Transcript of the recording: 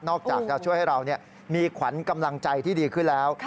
อกจากจะช่วยให้เรามีขวัญกำลังใจที่ดีขึ้นแล้ว